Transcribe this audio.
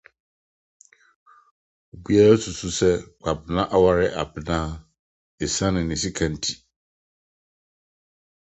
Obiara susuw sɛ Kwabena aware Abena esiane ne sika nti.